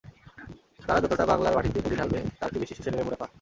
তারা যতটা বাংলার মাটিতে পুঁজি ঢালবে, তার চেয়ে বেশি শুষে নেবে মুনাফা।